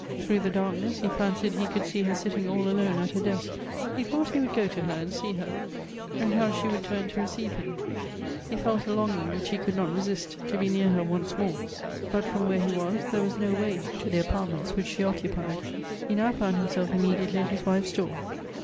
Through the darkness, he fancied he could see her sitting all alone at her desk. He thought he would go to her, and sec her ; and how she would turn to receive him. He felt a longing, which he could not resist, to be near her once more. But, from where he was, there was no way to the apartments which she 100 6 O E T n E ' 8 occupied. He now found kimself immediately at his wife's door.